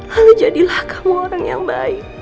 lalu jadilah kamu orang yang baik